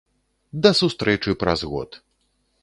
Да сустрэчы праз год!